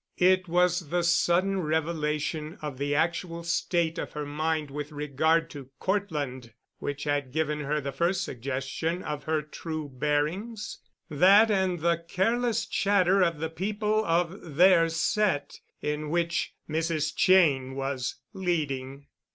It was the sudden revelation of the actual state of her mind with regard to Cortland which had given her the first suggestion of her true bearings—that and the careless chatter of the people of their set in which Mrs. Cheyne was leading.